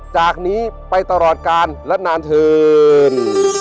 จากนี้ไปตลอดกาลและนานเถิน